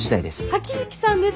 秋月さんです。